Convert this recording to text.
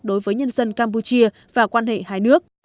đối với nhân dân campuchia và quan hệ hai nước